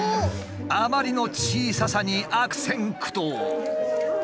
あまりの小ささに悪戦苦闘！